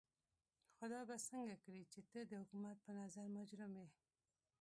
خو دا به څنګه کړې چې ته د حکومت په نظر مجرم يې.